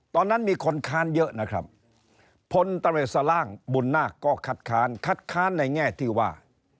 ตอนนั้นมีคนค้านเยอะนะครับพลตำรวจสล่างบุญนาคก็คัดค้านคัดค้านในแง่ที่ว่า